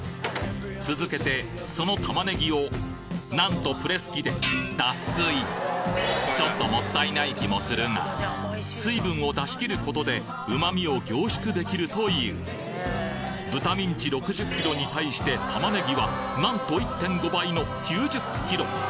続けてその玉ねぎをなんとプレス機で脱水ちょっともったいない気もするが水分を出し切ることで旨味を凝縮できるという豚ミンチ６０ｋｇに対して玉ねぎはなんと１．５倍の９０ｋｇ！